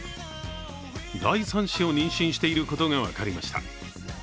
第３子を妊娠していることが分かりました。